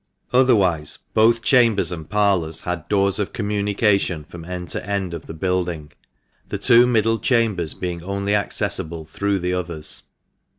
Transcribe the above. Otherwise, both chambers and parlours THE MANCHESTER MAN. 235 had doors of communication from end to end of the building, the two middle chambers being only accessible through the others.